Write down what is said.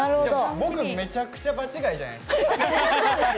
僕、めちゃくちゃ場違いじゃないですか？